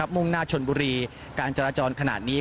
มุ่งหน้าชนบุรีการจราจรขนาดนี้